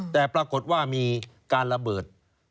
แต่ปรากฏว่ามีการระเบิด